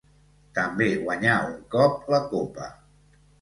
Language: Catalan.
També guanyà un cop la Copa.